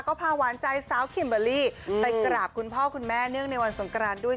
ก็พาหวานใจสาวคิมเบอร์รี่ไปกราบคุณพ่อคุณแม่เนื่องในวันสงกรานด้วย